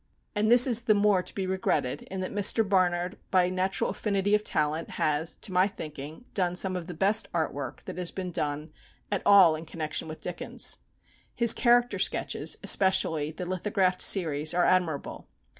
And this is the more to be regretted, in that Mr. Barnard, by natural affinity of talent, has, to my thinking, done some of the best art work that has been done at all in connection with Dickens. His Character Sketches, especially the lithographed series, are admirable.